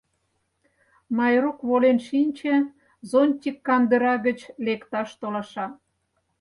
Майрук волен шинче, зонтик кандыра гыч лекташ толаша.